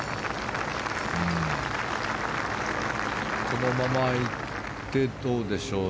このまま行ってどうでしょう。